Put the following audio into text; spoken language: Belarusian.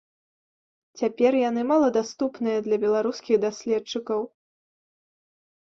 Цяпер яны маладаступныя для беларускіх даследчыкаў.